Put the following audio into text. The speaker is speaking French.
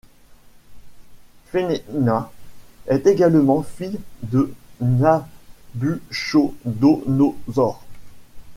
Phénenna est également fille de Nabuchodonosor.